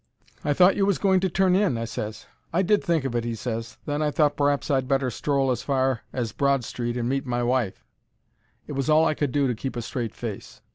"I thought you was going to turn in?" I ses. "I did think of it," he ses, "then I thought p'r'aps I'd better stroll as far as Broad Street and meet my wife." It was all I could do to keep a straight face.